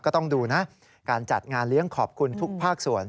ก็ต้องดูนะการจัดงานเลี้ยงขอบคุณทุกภาคส่วน